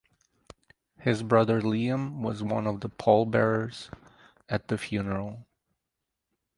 His brother Liam was one of the pallbearers at the funeral.